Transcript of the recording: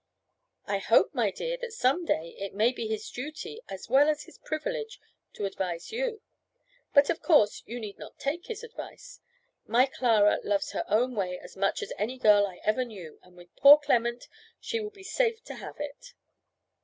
"I hope, my dear, that some day it may be his duty as well as his privilege to advise you. But, of course, you need not take his advice. My Clara loves her own way as much as any girl I ever knew; and with poor Clement she will be safe to have it."